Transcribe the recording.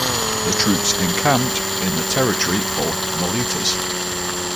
The troops encamped in the territory of Miletus.